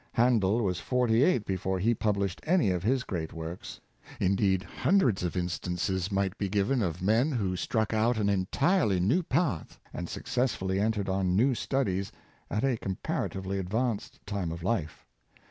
Handel was forty eight before he published any of his great works. Indeed, hundreds of instances might be given of men who struck out an entirely new path, and successfully entered on new studies, at a comparatively advanced time of life.